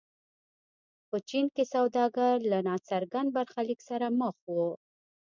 په چین کې سوداګر له ناڅرګند برخلیک سره مخ وو.